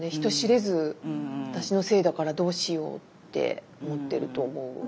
人知れず私のせいだからどうしようって思ってると思う。